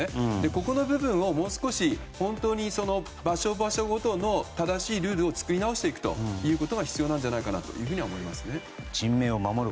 ここの部分を本当に、場所ごとの正しいルールを作り直していくということが必要なんじゃないかと思います。